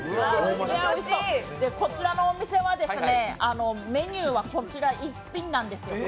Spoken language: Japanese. こちらのお店は、メニューはこちら１品なんですよ。